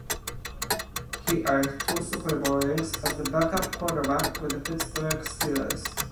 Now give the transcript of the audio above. He earned two Super Bowl rings as the backup quarterback for the Pittsburgh Steelers.